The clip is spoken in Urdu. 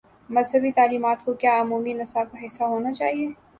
مذہبی تعلیمات کو کیا عمومی نصاب کا حصہ ہو نا چاہیے؟